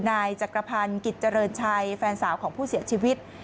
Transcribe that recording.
นายจักรพันธ์กิจเจริญชัยแฟนสาวของผู้เสียชีวิต